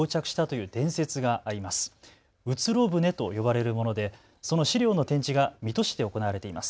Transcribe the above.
うつろ舟と呼ばれるものでその資料の展示が水戸市で行われています。